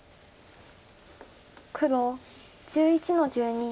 黒１１の十二。